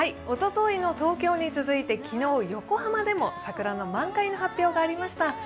おとといの東京に続いて昨日、横浜でも桜の満開の発表がありました。